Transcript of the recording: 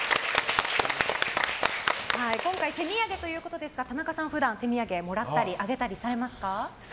今回、手土産ということですが田中さん、普段、手土産をもらったりあげたりされますか？